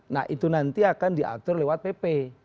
nah itu nanti akan diatur lewat pp